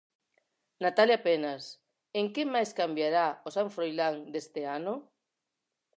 Natalia Penas, en que máis cambiará o San Froilán deste ano?